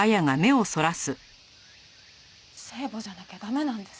聖母じゃなきゃ駄目なんです。